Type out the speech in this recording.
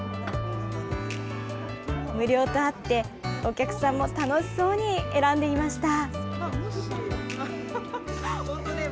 無料とあって、お客さんも楽しそうに選んでいました。